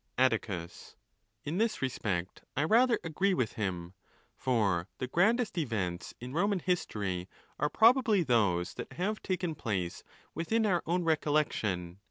Atticus.—In this respect I rather agree with him. For the grandest events in Roman history are probably those that have taken place within our own recollection.